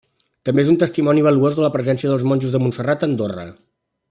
També és un testimoni valuós de la presència dels monjos de Montserrat a Andorra.